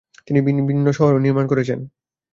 তিনি বিভিন্ন শহরও নির্মাণ করেছেন।